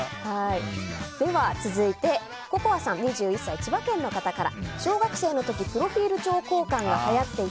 続いて２１歳、千葉県の方から。